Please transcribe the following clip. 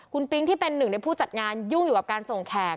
คุณปิ๊งที่เป็นหนึ่งในผู้จัดงานยุ่งอยู่กับการส่งแขก